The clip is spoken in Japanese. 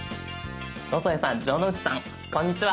野添さん城之内さんこんにちは！